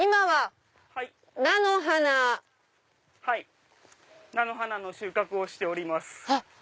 はい菜の花の収穫をしております。